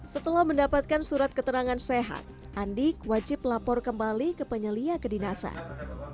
setelah mendapatkan surat keterangan sehat andi wajib lapor kembali ke penyelia kedinasan